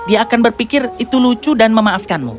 dia akan berpikir itu lucu dan memaafkanmu